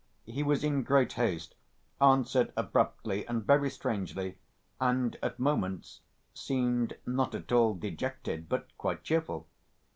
He was in great haste, answered abruptly and very strangely, and at moments seemed not at all dejected but quite cheerful."